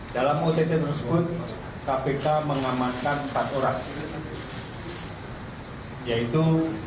dalam ott tersebut kpk mengamankan empat orang yaitu